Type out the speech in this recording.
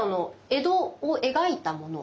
江戸を描いたもの？